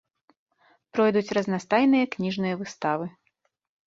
Пройдуць разнастайныя кніжныя выставы.